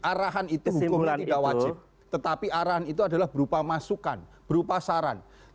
arahannya itu hukuman tidak wajib tetapi arahan itu adalah berupa masukan berupa saran